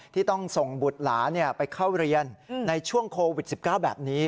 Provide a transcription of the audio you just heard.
ที่ต้องส่งบุตรหลานไปเข้าเรียนในช่วงโควิด๑๙แบบนี้